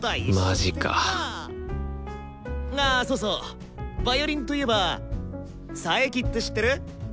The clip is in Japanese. マジかあそうそうヴァイオリンといえば佐伯って知ってる？